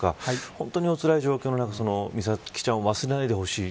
本当におつらい状況の中美咲ちゃんを忘れないでほしい